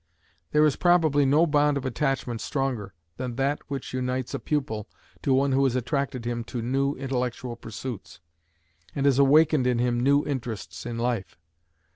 There is probably no bond of attachment stronger than that which unites a pupil to one who has attracted him to new intellectual pursuits, and has awakened in him new interests in life.